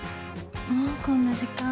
もうこんな時間。